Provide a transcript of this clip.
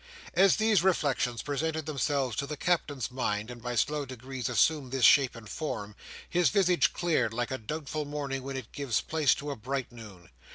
As these reflections presented themselves to the Captain's mind, and by slow degrees assumed this shape and form, his visage cleared like a doubtful morning when it gives place to a bright noon.